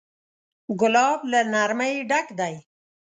ګلاب له نرمۍ ډک دی.